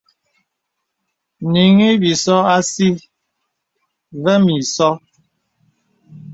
Nīŋhi bīsò àsí və̀ mì ìsō.